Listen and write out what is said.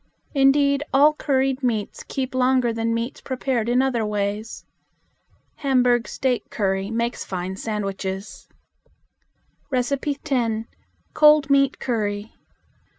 Indeed, all curried meats keep longer than meats prepared in other ways. Hamburg steak curry makes fine sandwiches. 10. Cold Meat Curry.